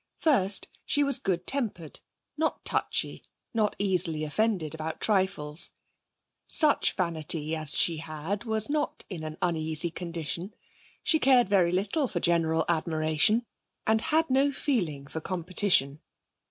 First, she was good tempered; not touchy, not easily offended about trifles. Such vanity as she had was not in an uneasy condition; she cared very little for general admiration, and had no feeling for competition.